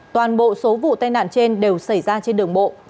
toàn bộ số vụ tai nạn trên đều xảy ra trên đường bộ